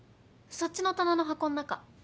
そっちの棚の箱の中。